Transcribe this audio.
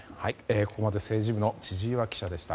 ここまで政治部の千々岩記者でした。